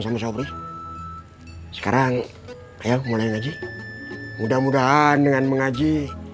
sama sabri sekarang ayo mulai ngaji mudah mudahan dengan mengaji